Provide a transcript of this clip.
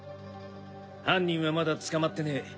犯人はまだ捕まってねえ。